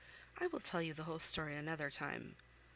I will tell you the whole story another time.